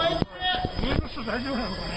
上の人、大丈夫なのかね。